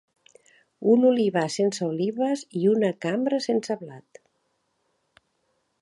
Un olivar sense olives i una cambra sense blat.